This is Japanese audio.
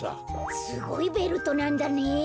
すごいベルトなんだねえ。